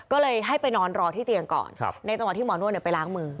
ก็เลยให้ไปนอนรอที่เตียงก่อนในตอนที่หมอนวนเนี่ยไปล้างมือ